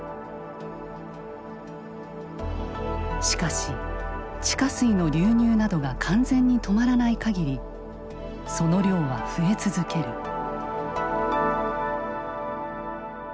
しかし地下水の流入などが完全に止まらない限りその量は増え続ける。